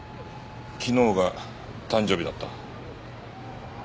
昨日が誕生日だった。